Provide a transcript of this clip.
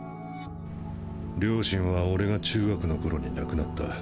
両親は俺が中学の頃に亡くなった。